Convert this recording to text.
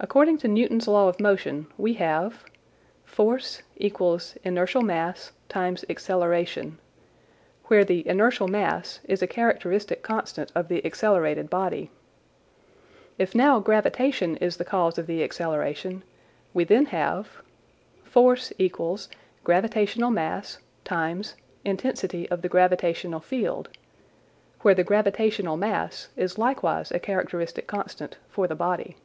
According to Newton's law of motion, we have (Force) = (inertial mass) x (acceleration), where the "inertial mass" is a characteristic constant of the accelerated body. If now gravitation is the cause of the acceleration, we then have (Force) = (gravitational mass) x (intensity of the gravitational field), where the "gravitational mass" is likewise a characteristic constant for the body.